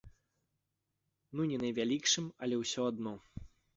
Ну не найвялікшым, але ўсё адно.